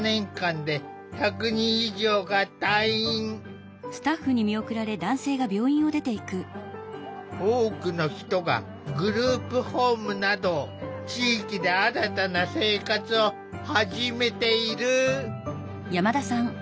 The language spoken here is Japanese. これまでに多くの人がグループホームなど地域で新たな生活を始めている。